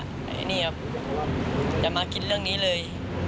ลุงขอให้กำลังใจครับอย่ามาคิดเรื่องนี้เลย